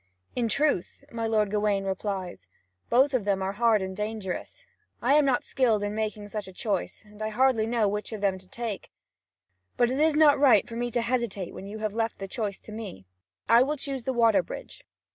"In truth," my lord Gawain replies, "both of them are hard and dangerous: I am not skilled in making such a choice, and hardly know which of them to take; but it is not right for me to hesitate when you have left the choice to me: I will choose the water bridge."